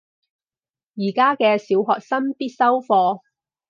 而家嘅小學生必修課